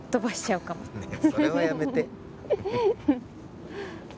ねえそれはやめて。